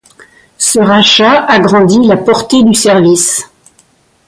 Ce rachat agrandit la portée du service.